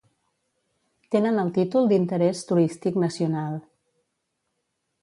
Tenen el títol d'Interés Turístic Nacional.